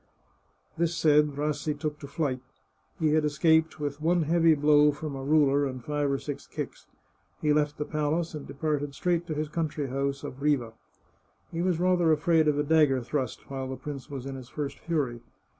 This said, Rassi took to flight. He had escaped with one hearty blow from a ruler and five or six kicks. He left the palace and departed straight to his country house at Riva. He was rather afraid of a dagger thrust while the prince was in his first fury.